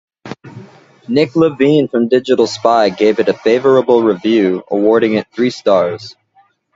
Nick Levine from Digital Spy gave it a favorable review, awarding it three stars.